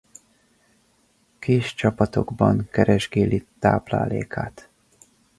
Kis csapatokban keresgéli táplálékát.